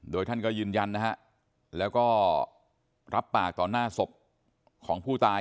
โดยท่านก็ยืนยันนะฮะแล้วก็รับปากต่อหน้าศพของผู้ตาย